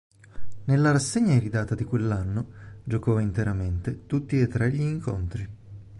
Nella rassegna iridata di quell'anno giocò interamente tutti e tre gli incontri.